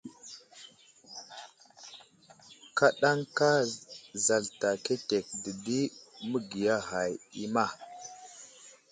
Kaɗakan zalta ketek dedi məgiya ghay i ma.